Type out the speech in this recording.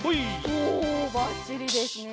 おおばっちりですね。